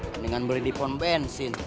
mendingan beli di pom bensin